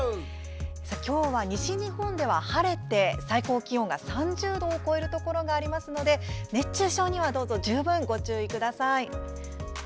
きょうは西日本では晴れて最高気温が３０度を超えるところがありますので熱中症にはどうぞ十分、ご注意ください。